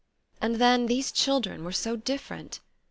And then these children were so different!